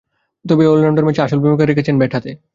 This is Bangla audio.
তবে এই অলরাউন্ডার ম্যাচে আসল ভূমিকা রেখেছেন ব্যাট হাতে।